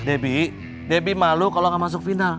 debbie debbie malu kalau nggak masuk final